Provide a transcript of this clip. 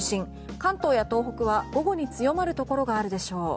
関東や東北は午後に強まるところがあるでしょう。